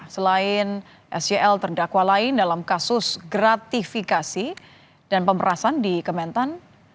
selain sel terdakwa lain dalam kasus gratifikasi dan pemerasan di kementan